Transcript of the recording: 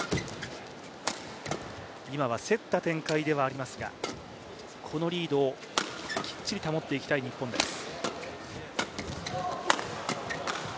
今は競った展開ではありますが、このリードをきっちり保っていきたい日本です。